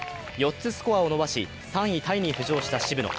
４つスコアを伸ばし、３位タイに浮上した渋野。